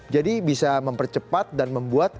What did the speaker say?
jadi bisa mempercepat dan membuat wakil